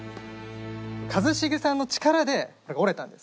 一茂さんの力で折れたんです。